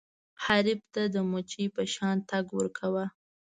حریف ته د مچۍ په شان ټک ورکوه.